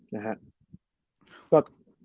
นะฮะ